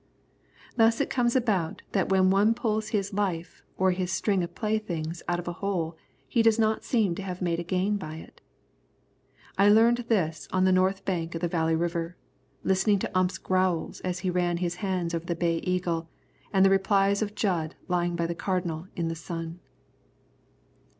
Thus it comes about that when one pulls his life or his string of playthings out of a hole he does not seem to have made a gain by it. I learned this on the north bank of the Valley River, listening to Ump's growls as he ran his hands over the Bay Eagle, and the replies of Jud lying by the Cardinal in the sun.